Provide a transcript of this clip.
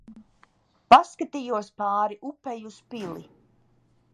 Paskat?jos p?ri upei uz pili.